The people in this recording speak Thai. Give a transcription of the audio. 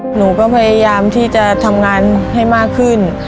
หนูก็พยายามที่จะทำงานให้มากขึ้น